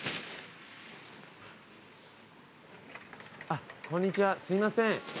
あっこんにちはすいません